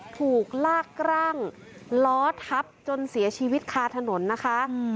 ถูกลากร่างล้อทับจนเสียชีวิตคาถนนนะคะ